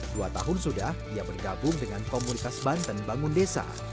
dua tahun sudah ia bergabung dengan komunitas banten bangun desa